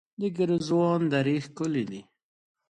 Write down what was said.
د ګرزوان درې ښکلې دي